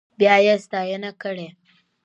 بيا يې ستاينه کړې.